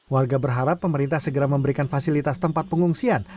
warga berharap pemerintah segera memberikan fasilitas tempat pengungsian